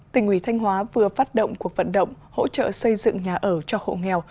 tỉnh ủy thanh hóa vừa phát động cuộc vận động hỗ trợ xây dựng nhà ở cho hộ nghèo